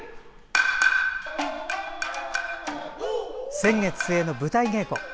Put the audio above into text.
先月末の舞台稽古。